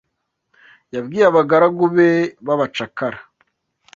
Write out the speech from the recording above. Yabwiye Abagaragu be b'abacakara